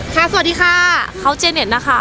สวัสดีค่ะเขาเจเน็ตนะคะ